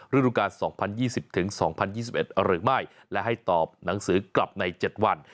ฤดูการ๒๐๒๐ถึง๒๐๒๐๒๑หรือไม่และให้ตอบหนังสือกลับใน๗วัน